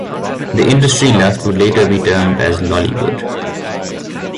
The industry left would later be termed as Lollywood.